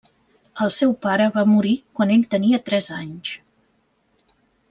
El seu pare va morir quan ell tenia tres anys.